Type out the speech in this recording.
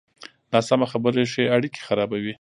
ناسمه خبره ښې اړیکې خرابوي.